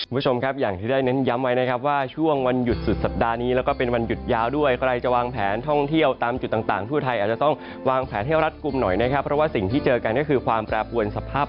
คุณผู้ชมครับอย่างที่ได้เน้นย้ำไว้นะครับว่าช่วงวันหยุดสุดสัปดาห์นี้แล้วก็เป็นวันหยุดยาวด้วยใครจะวางแผนท่องเที่ยวตามจุดต่างทั่วไทยอาจจะต้องวางแผนให้รัดกลุ่มหน่อยนะครับเพราะว่าสิ่งที่เจอกันก็คือความแปรปวนสภาพ